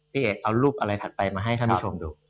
พี่เอ๋เอารูปอะไรถัดไปมาให้ช่องดู